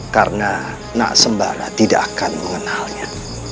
karena nak sembara tidak akan mengenalnya